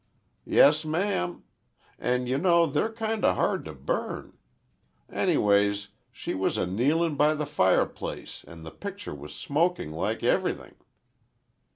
"Yes, ma'am. And you know they're kinda hard to burn. Anyways, she was a kneelin' by the fireplace an' the picture was smokin' like everything."